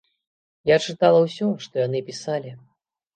Я чытала ўсё, што яны пісалі.